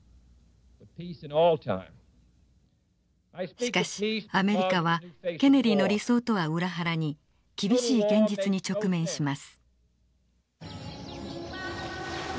しかしアメリカはケネディの理想とは裏腹に厳しい現実に直面します。